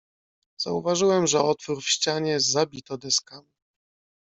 "Zauważyłem, że otwór w ścianie zabito deskami."